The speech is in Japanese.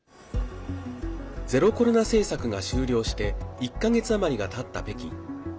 ゼロコロナ政策が終了して１か月余りがたった北京。